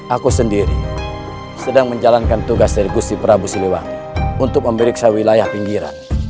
aku sendiri sedang menjalankan tugas dari gusi prabu siliwangi untuk memeriksa wilayah pinggiran